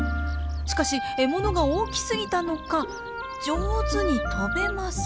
しかし獲物が大きすぎたのか上手に飛べません。